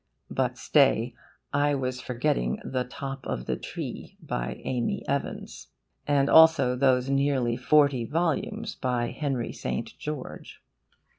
But stay, I was forgetting THE TOP OF THE TREE, by Amy Evans; and also those nearly forty volumes by Henry St. George.